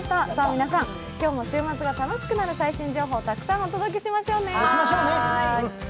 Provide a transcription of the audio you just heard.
皆さん、今日も週末が楽しくなる最新情報たくさんお届けしましょうね。